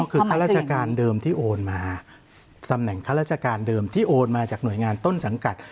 ก็คือข้าราชการเดิมที่โอนมาตำแหน่งข้าราชการเดิมที่โอนมาจากหน่วยงานต้นสังกัด